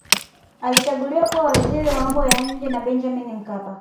alichaguliwa kuwa waziri wa mambo ya nje na benjamini mkapa